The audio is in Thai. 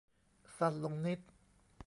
สั้นลงนิด